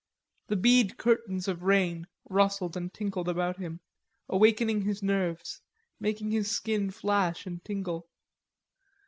The bead curtains of rain rustled and tinkled about him, awakening his nerves, making his skin flash and tingle.